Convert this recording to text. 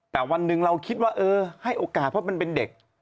แต่วันหนึ่งเราคิดว่าเออให้โอกาสเพราะมันเป็นเด็ก